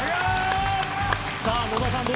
さあ野田さん